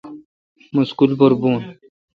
مہ سکول پر بھوں۔